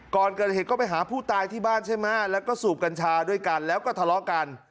ก่อนเกิดเหตุก็ไปหาผู้ตายที่บ้านใช่ไหมแล้วก็สูบกัญชาด้วยกันแล้วก็ทะเลาะกัน